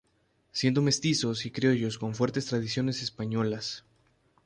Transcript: Siendo mestizos y criollos con fuertes tradiciones españolas.